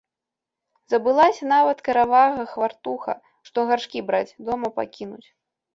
Забылася нават каравага хвартуха, што гаршкі браць, дома пакінуць.